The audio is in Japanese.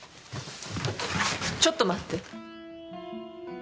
ちょっと待って！